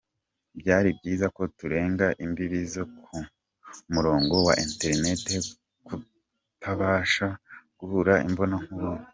Byari byiza ko turenga imbibi zo ku murongo wa Internet tukabasha guhura imbona nkubone”.